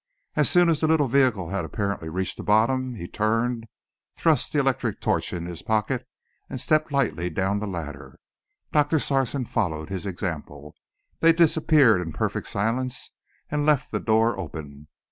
As soon as the little vehicle had apparently reached the bottom, he turned, thrust the electric torch in his pocket, and stepped lightly down the ladder. Doctor Sarson followed his example. They disappeared in perfect silence and left the door open.